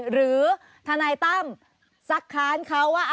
หรือทนายตั้มซักค้านเขาว่า